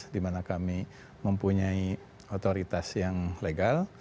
di mana kami mempunyai otoritas yang legal